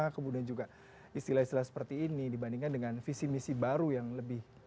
kemudian juga istilah istilah seperti ini dibandingkan dengan visi misi baru yang lebih